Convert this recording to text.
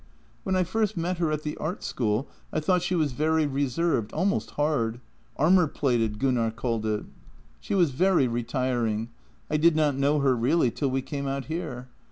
When I first met her at the art school I thought she was very reserved, almost hard — armour plated, Gunnar called it. She was very retiring; I did not know her really till we came out here.